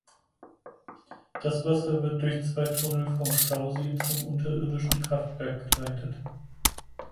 Das Wasser wird durch zwei Tunnel vom Stausee zum unterirdischen Kraftwerk geleitet.